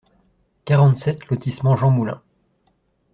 quarante-sept lotissement Jean Moulin